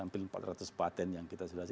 hampir empat ratus patent yang kita sudah